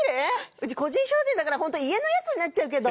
うち個人商店だからホント家のやつになっちゃうけど。